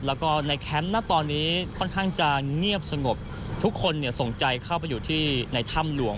แล้วก็ในแคมป์นะตอนนี้ค่อนข้างจะเงียบสงบทุกคนเนี่ยส่งใจเข้าไปอยู่ที่ในถ้ำหลวง